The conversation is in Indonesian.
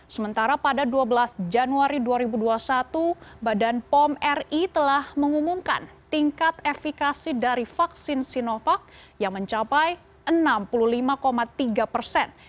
sementara pada dua belas januari dua ribu dua puluh satu badan pom ri telah mengumumkan tingkat efikasi dari vaksin sinovac yang mencapai enam puluh lima tiga persen